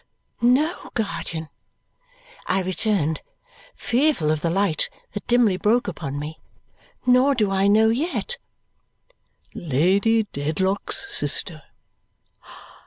"No, guardian," I returned, fearful of the light that dimly broke upon me. "Nor do I know yet." "Lady Dedlock's sister."